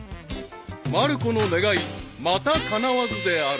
［まる子の願いまたかなわずである］